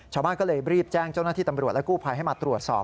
ชาวบ้านก็เลยรีบแจ้งเจ้าหน้าที่ตำรวจและกู้ภัยให้มาตรวจสอบ